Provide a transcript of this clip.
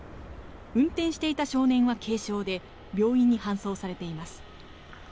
運転していた少年は軽傷で病院に搬送されています。